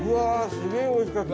すげえおいしかった。